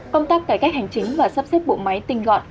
công tác cải cách hành chính và sắp xếp bộ máy tinh gọn